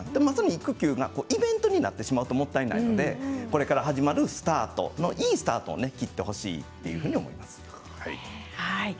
育休がイベントになってしまうともったいないのでこれから始まる、いいスタートを切ってほしいと思います。